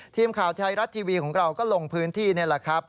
ทีมข่าวไทยรัฐทีวีของเราก็ลงพื้นที่นี่แหละครับ